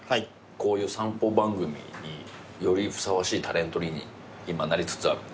こういう散歩番組によりふさわしいタレントに今なりつつあるんで。